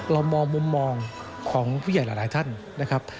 เรามองมุมมองของผู้ใหญ่หลายท่านนะครับ